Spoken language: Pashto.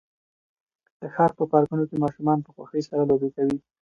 د ښار په پارکونو کې ماشومان په خوښۍ سره لوبې کوي.